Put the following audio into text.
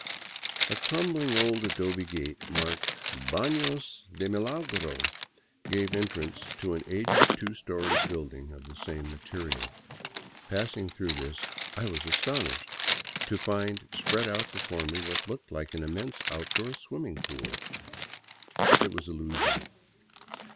A crumbling old adobe gate, marked '' Bafios de Milagro," gave en trance to an aged two story building of the same material. Passing through this, I was astonished to find spread out before me what looked like an immense outdoor swimming pool. It was illusion.